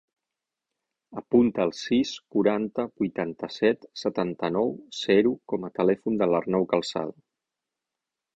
Apunta el sis, quaranta, vuitanta-set, setanta-nou, zero com a telèfon de l'Arnau Calzado.